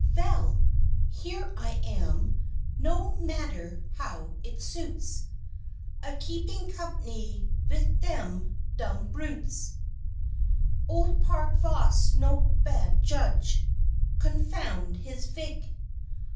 "Vell! Here I am no Matter how it suits A keeping Company vith them dumb Brutes; Old Park vos no bad Judge confound his vig!